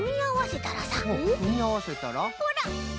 ほら！